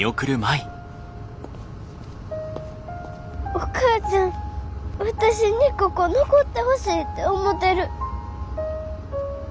お母ちゃん私にここ残ってほしいて思てる。